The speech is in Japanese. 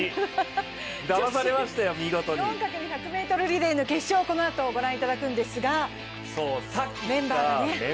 ４×１００ｍリレーの決勝、このあと御覧いただくんですがメンバーがね。